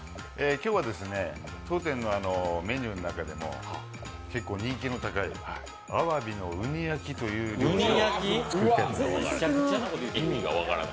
今日はですね、当店のメニューの中でも結構人気の高いあわびのうに焼きという料理を作りたいと思います。